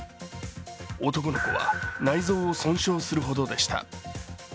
男の子は内臓を損傷するほどでした。